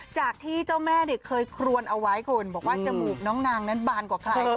จากที่เจ้าแม่เนี่ยเคยครวนเอาไว้คุณบอกว่าจมูกน้องนางนั้นบานกว่าใคร